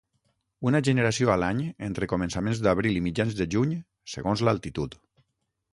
Una generació a l'any entre començaments d'abril i mitjans de juny, segons l'altitud.